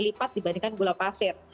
lipat dibandingkan gula pasir